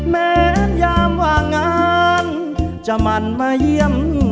แม้ยามว่างานจะมันมาเยี่ยมทิ้งใจ